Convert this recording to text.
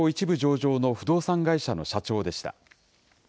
１部上場の不動産会社の社長でした。